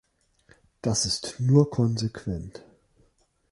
Das ist nur konsequent.